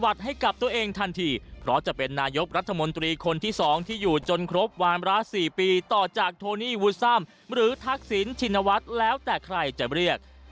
ทันทีเพราะจะเป็นนายกรัฐมนตรีคนที่สองที่อยู่จนครบวามระ๔ปีต่อจากโทนี่วูซัมหรือทักษิณชินวัฒน์แล้วแต่ใครจะเรียก